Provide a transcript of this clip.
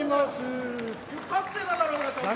勝ってただろうがちゃんと。